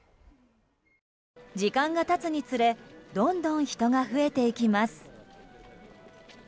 時間が経つにつれどんどん人が増えてきます。